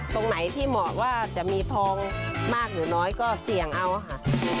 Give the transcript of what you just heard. ตรงไหนที่เหมาะว่าจะมีทองมากหรือน้อยก็เสี่ยงเอาค่ะ